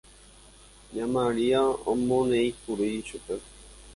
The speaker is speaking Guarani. Ña Maria omoneĩkuri chupe.